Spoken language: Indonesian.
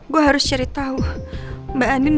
gue harus cari tau mbak andi udah tau ya